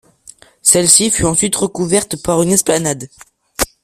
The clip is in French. Celle-ci fut ensuite recouverte par une esplanade.